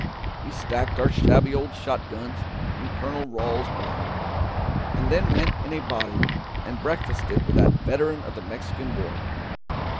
We stacked our shabby old shot guns in Colonel Ralls's barn, and then went in a body and breakfasted with that veteran of the Mexican War.